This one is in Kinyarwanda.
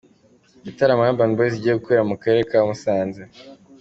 Igitaramo Urban Boys igiye gukorera mu karere ka Musanze.